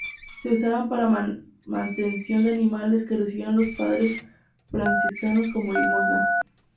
Se usaban para mantención de animales que recibían los padres franciscanos como limosna.